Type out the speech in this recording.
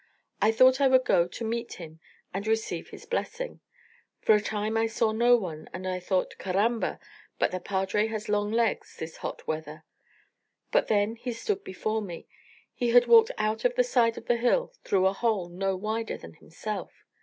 I thought I would go to meet him and receive his blessing. For a time I saw no one, and I thought, 'Caramba! but the padre has long legs this hot weather!' Just then he stood before me. He had walked out of the side of the hill through a hole no wider than himself.